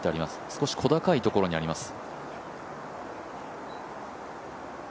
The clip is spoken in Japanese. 少し小高いところにあります。